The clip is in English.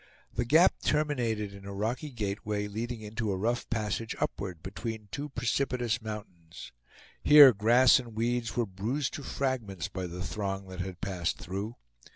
The gap terminated in a rocky gateway, leading into a rough passage upward, between two precipitous mountains. Here grass and weeds were bruised to fragments by the throng that had passed through.